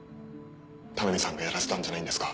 田波さんがやらせたんじゃないんですか？